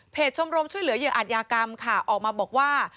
ชมรมช่วยเหลือเหยื่ออาจยากรรมค่ะออกมาบอกว่า